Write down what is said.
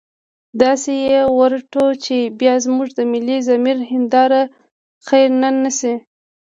داسې يې ورټو چې بيا زموږ د ملي ضمير هنداره خيرنه نه شي.